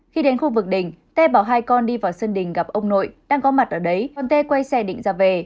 khi đến khu vực đỉnh tê bảo hai con đi vào sân đỉnh gặp ông nội đang có mặt ở đấy còn tê quay xe đỉnh ra về